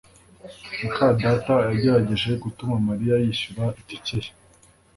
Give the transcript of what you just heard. muka data yagerageje gutuma Mariya yishyura itike ye